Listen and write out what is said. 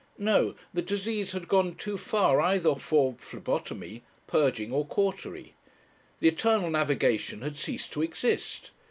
No the disease had gone too far either for phlebotomy, purging, or cautery. The Internal Navigation had ceased to exist!